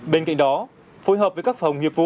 bên cạnh đó phối hợp với các phòng nghiệp vụ